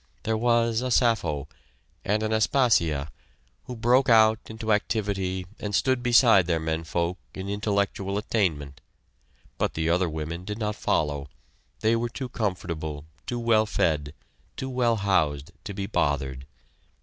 There was a Sappho, and an Aspasia, who broke out into activity and stood beside their men folk in intellectual attainment, but the other women did not follow; they were too comfortable, too well fed, too well housed, to be bothered.